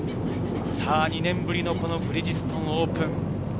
２年ぶりのブリヂストンオープン。